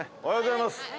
おはようございます。